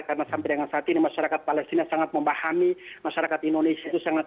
karena sampai dengan saat ini masyarakat palestina sangat memahami masyarakat indonesia itu sangat